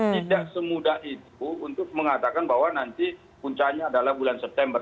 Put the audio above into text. tidak semudah itu untuk mengatakan bahwa nanti puncaknya adalah bulan september